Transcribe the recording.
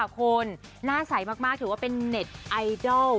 คุณหน้าใสมากถือว่าเป็นเน็ตไอดอล